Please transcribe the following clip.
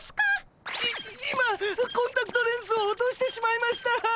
い今コンタクトレンズを落としてしまいました！